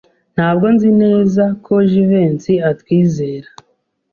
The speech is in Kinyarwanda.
Ntabwo nzi neza ko Jivency atwizera.